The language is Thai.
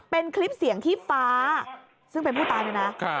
เป็นคลิปเสียงที่ฟ้าซึ่งเป็นผู้ตายเนี่ยนะ